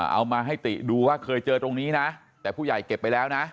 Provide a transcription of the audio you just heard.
เอามาให้ติดูว่าเคยเจอตรงนี้นะแต่ผู้ใหญ่เก็บไปแล้วนะ